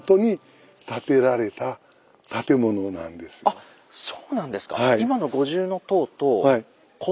あっそうなんですか。